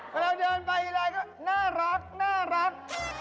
เวลาเดินไปก็น่ารัก